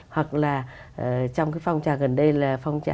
hoặc là trong cái phong trào gần đây là phong trào